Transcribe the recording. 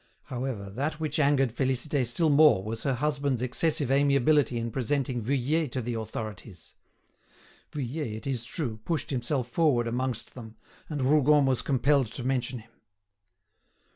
However, that which angered Félicité still more was her husband's excessive amiability in presenting Vuillet to the authorities. Vuillet, it is true, pushed himself forward amongst them, and Rougon was compelled to mention him.